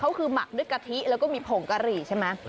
เขาคือหมักด้วยกะทิแล้วก็มีผงกะหรี่ใช่ไหม